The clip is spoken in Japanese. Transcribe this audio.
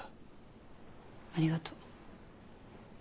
ありがとう。